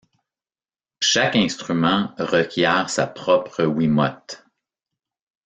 Chaque instrument requiert sa propre Wiimote.